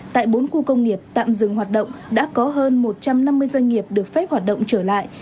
tại bốn khu công nghiệp tạm dừng hoạt động đã có hơn một trăm năm mươi doanh nghiệp được phép hoạt động trở lại